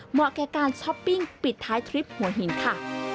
แก่การช้อปปิ้งปิดท้ายทริปหัวหินค่ะ